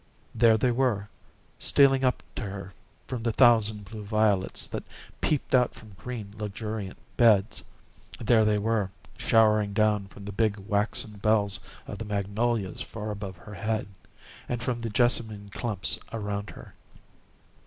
There they were, stealing up to her from the thousand blue violets that peeped out from green, luxuriant beds. There they were, showering down from the big waxen bells of the magnolias far above her head, and from the jessamine clumps around her.